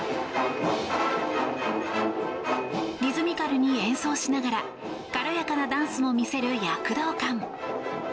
リズミカルに演奏しながら軽やかなダンスも見せる躍動感。